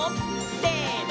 せの！